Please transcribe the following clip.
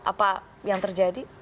apa yang terjadi